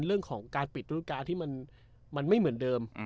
เรื่องของการปิดรูปการณ์ที่มันไม่เหมือนเดิม